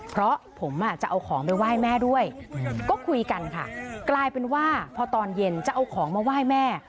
เพราะผมจะเอาของไปไหว้แม่ด้วยก็คุยกันค่ะกลายเป็นว่าพอตอนเย็นจะเอาของมาไหว้แม่